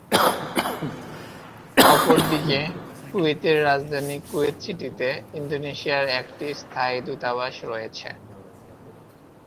অপরদিকে, কুয়েতের রাজধানী কুয়েত সিটিতে ইন্দোনেশিয়ার একটি স্থায়ী দূতাবাস রয়েছে।